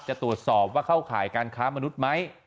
จะตรวจสอบว่าเข้าข่ายการค้ามนุษย์ไหม